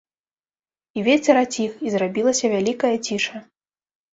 І вецер аціх, і зрабілася вялікая ціша.